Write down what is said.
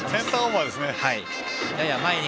センターオーバーですね。